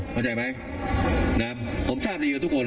เข้าใจไหมนะผมทราบดีกับทุกคน